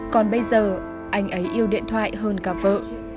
còn bây giờ anh ấy yêu điện thoại hơn cả vợ